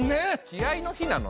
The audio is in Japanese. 気合いの日なの？